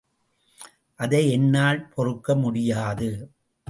அதை என்னால் பொறுக்க முடியாது.